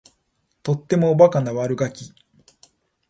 とってもおバカな悪ガキ